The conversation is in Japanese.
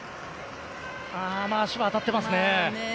足が当たっていますね。